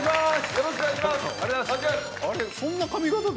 よろしくお願いします！